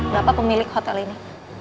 bapak pemilik hotel ini